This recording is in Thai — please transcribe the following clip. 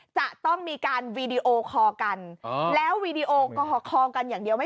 จะต้องมีการวีดีโอคอลกันแล้ววีดีโอคอลกันอย่างเดียวไม่